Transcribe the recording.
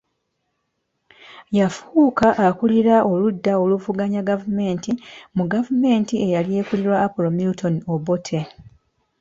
Yafuuka akulira oludda oluvuganya gavumenti mu gavumenti eyali ekulirwa Apollo Milton Obote